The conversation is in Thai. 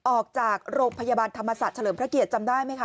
ออกจากโรงพยาบาลธรรมศาสตร์เฉลิมพระเกียรติจำได้ไหมคะ